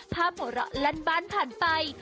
หัวเราะลั่นบ้านผ่านไป